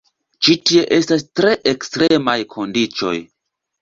Ĉi tie estas tre ekstremaj kondiĉoj.